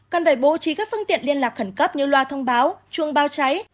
cần phải bố trí các phương tiện liên lạc khẩn cấp như loa thông báo chuông bao cháy